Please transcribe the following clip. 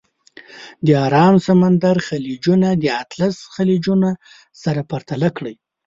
د ارام سمندر خلیجونه د اطلس خلیجونه سره پرتله کړئ.